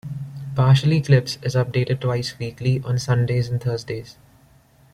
"PartiallyClips" is updated twice weekly, on Sundays and Thursdays.